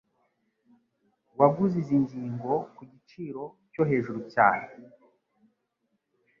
Waguze izi ngingo ku giciro cyo hejuru cyane